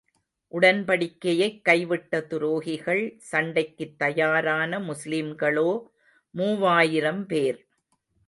உடன்படிக்கையைக் கைவிட்ட துரோகிகள் சண்டைக்குத் தயாரான முஸ்லிம்களோ மூவாயிரம் பேர்.